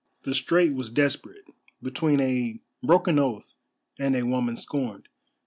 The strait was desperate, between a broken oath and a woman scorned.